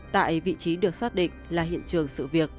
tại vị trí được xác định là hiện trường sự việc